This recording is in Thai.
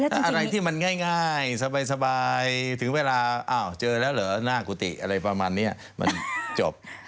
แต่อะไรที่มันง่ายสบายถึงเวลาอ้าวเจอแล้วเหรอหน้ากุฏิอะไรประมาณนี้มันจบ